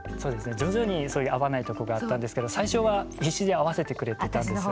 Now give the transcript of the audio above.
徐々にそういう合わないとこがあったんですけど最初は必死に合わせてくれてたんですよ。